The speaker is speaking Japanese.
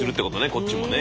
こっちもね